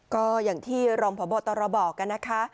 ก็อย่างที่รองพบตรบอกกันนะคะ